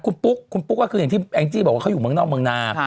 คุณปุ๊กคุณปุ๊กก็คืออย่างที่แองจี้บอกว่าเขาอยู่เมืองนอกเมืองนา